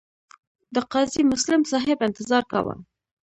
د قاضي مسلم صاحب انتظار کاوه.